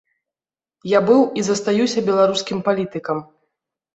Я быў і застаюся беларускім палітыкам.